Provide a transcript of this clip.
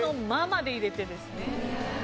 「ま」まで入れてですね。